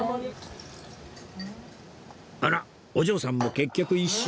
あらっお嬢さんも結局一緒？